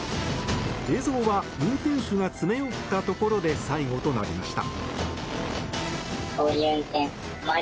映像は運転手が詰め寄ったところで最後となりました。